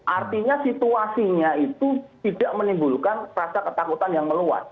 artinya situasinya itu tidak menimbulkan rasa ketakutan yang meluas